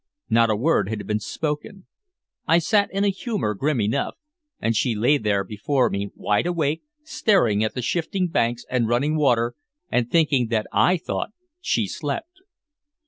Not a word had been spoken. I sat in a humor grim enough, and she lay there before me, wide awake, staring at the shifting banks and running water, and thinking that I thought she slept.